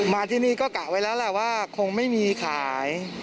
มาที่นี่ก็กะไว้แล้วแหละว่าคงไม่มีขาย